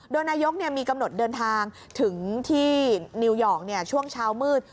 โดยนายกมีกำหนดเดินทางถึงที่นิวยอร์กช่วงเช้ามืด